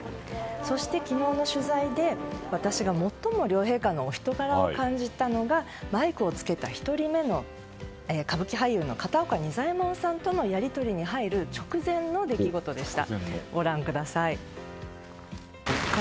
そして昨日の取材で私が最も両陛下のお人柄を感じたのがマイクを付けた１人目の歌舞伎俳優の片岡仁左衛門さんとのやり取りに入る直前の出来事でした。